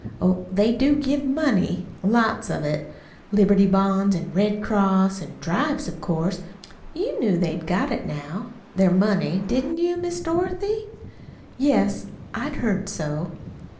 Oh, they do give money lots of it Liberty Bonds an' Red Cross, an' drives, of course. You knew they'd got it now their money, didn't you, Miss Dorothy?" "Yes, I had heard so."